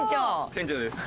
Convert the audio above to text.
船長です。